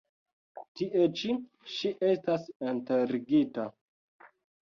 Tie ĉi ŝi estas enterigita.